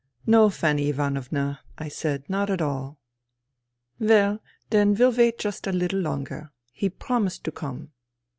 " No, Fanny Ivanovna," I said, " not at all." " Well, then we'll wait just a little longer. He promised to come."